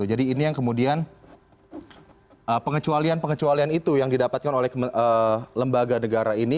jadi ini yang kemudian pengecualian pengecualian itu yang didapatkan oleh lembaga negara ini